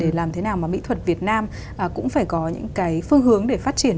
để làm thế nào mà mỹ thuật việt nam cũng phải có những cái phương hướng để phát triển